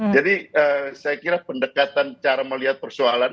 jadi saya kira pendekatan cara melihat persoalan